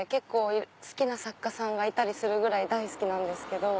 好きな作家さんがいるぐらい大好きなんですけど。